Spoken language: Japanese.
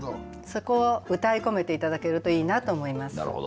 そこをうたい込めて頂けるといいなと思います。